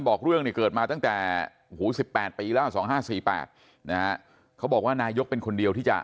บอกเรื่องเนี่ยเกิดมาตั้งแต่๑๘ปีแล้ว๒๕๔๘นะฮะ